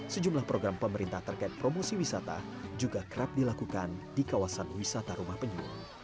sejumlah program pemerintah terkait promosi wisata juga kerap dilakukan di kawasan wisata rumah penyu